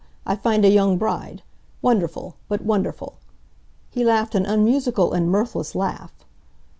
I find a young bride. Wonderful! but wonderful!" He laughed an unmusical and mirthless laugh.